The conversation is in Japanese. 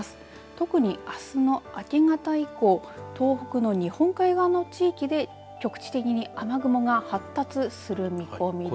特にあすの明け方以降東北の日本海側の地域で局地的に雨雲が発達する見込みです。